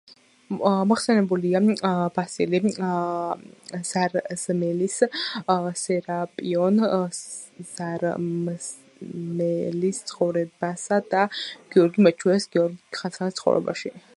მოხსენებულია ბასილი ზარზმელის „სერაპიონ ზარზმელის ცხოვრებასა“ და გიორგი მერჩულეს „გრიგოლ ხანძთელის ცხოვრებაში“.